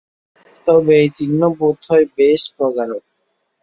তবে এই চিহ্ন বোধ হয় বেশ প্রগাঢ়।